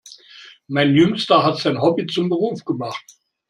Mein Jüngster hat sein Hobby zum Beruf gemacht.